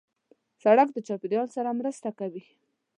سړک د چاپېریال سره مرسته کوي.